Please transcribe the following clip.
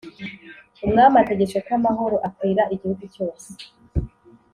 umwami ategetse ko amahoro akwira igihugu cyose.